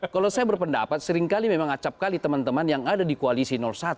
kalau saya berpendapat seringkali memang acapkali teman teman yang ada di koalisi satu